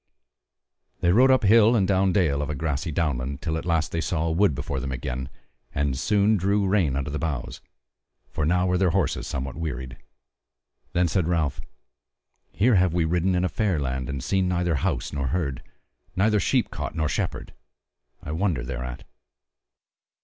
They rode up hill and down dale of a grassy downland, till at last they saw a wood before them again, and soon drew rein under the boughs; for now were their horses somewhat wearied. Then said Ralph: "Here have we ridden a fair land, and seen neither house nor herd, neither sheep cote nor shepherd. I wonder thereat."